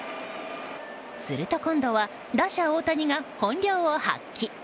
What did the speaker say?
すると今度は打者・大谷が本領を発揮。